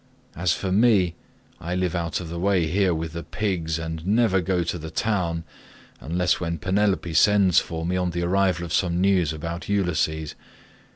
"As for me I live out of the way here with the pigs, and never go to the town unless when Penelope sends for me on the arrival of some news about Ulysses.